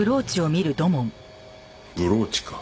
ブローチか。